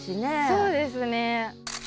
そうですね。